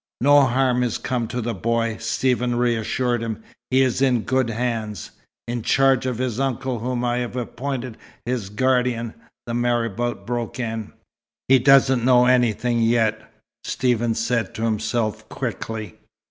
"No harm has come to the boy," Stephen reassured him. "He is in good hands." "In charge of his uncle, whom I have appointed his guardian," the marabout broke in. "He doesn't know anything yet," Stephen said to himself, quickly.